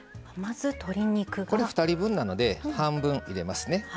これ、２人分なので半分入れますね。